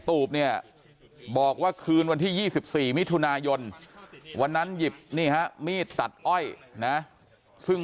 ตูบเนี่ยบอกว่าคืนวันที่๒๔มิถุนายนวันนั้นหยิบนี่ฮะมีดตัดอ้อยนะซึ่ง